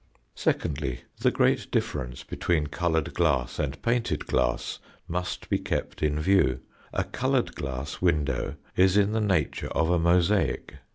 Secondly, the great difference between coloured glass and painted glass must be kept in view. A coloured glass window is in the nature of a mosaic.